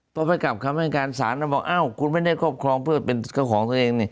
พอไปกลับคำให้กันสาธารณะบอกเอ้าคุณไม่ได้ครอบครองเพื่อเป็นของตัวเอง